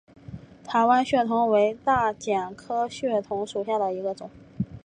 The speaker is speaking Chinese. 台湾血桐为大戟科血桐属下的一个种。